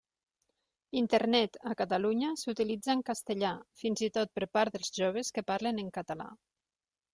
Internet a Catalunya s'utilitza en castellà, fins i tot per part dels joves que parlen en català.